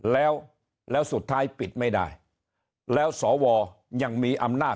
แล้วแล้วสุดท้ายปิดไม่ได้